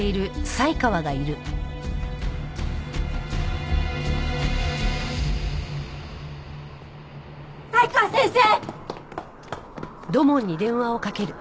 才川先生！